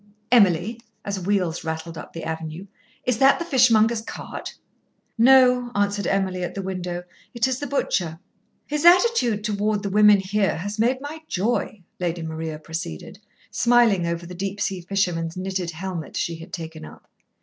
"Emily," as wheels rattled up the avenue, "is that the fishmonger's cart?" "No," answered Emily at the window; "it is the butcher." "His attitude toward the women here has made my joy," Lady Maria proceeded, smiling over the deep sea fishermen's knitted helmet she had taken up.